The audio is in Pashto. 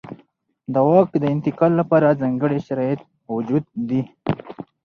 د واک د انتقال لپاره ځانګړي شرایط موجود دي.